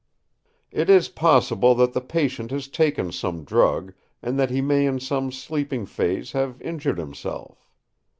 It is possible that the patient has taken some drug, and that he may in some sleeping phase have injured himself.